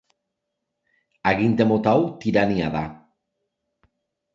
Aginte mota hau tirania da.